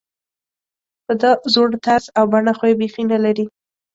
په دا زوړ طرز او بڼه خو یې بېخي نلري.